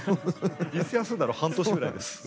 実際休んだの半年ぐらいです。